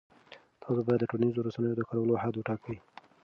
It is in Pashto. تاسو باید د ټولنیزو رسنیو د کارولو حد وټاکئ.